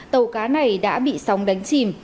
tàu cá này đã bị sóng đánh chìm